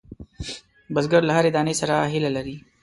بزګر له هرې دانې سره هیله لري